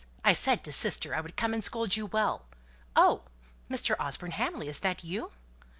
I said to sister I would come and scold you well. Oh, Mr. Osborne Hamley, is that you?"